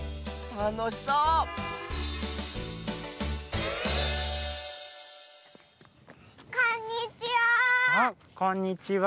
たのしそうこんにちは！